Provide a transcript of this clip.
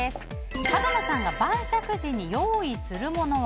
角野さんが晩酌時に用意するものは？